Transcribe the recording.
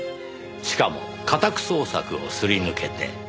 しかも家宅捜索をすり抜けて。